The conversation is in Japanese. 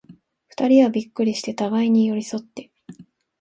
二人はびっくりして、互に寄り添って、